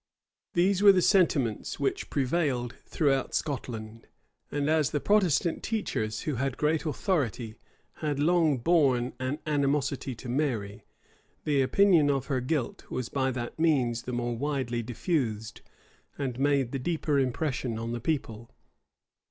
These were the sentiments which prevailed throughout Scotland: and as the Protestant teachers, who had great authority, had long borne an animosity to Mary, the opinion of her guilt was by that means the more widely diffused, and made the deeper impression on the people.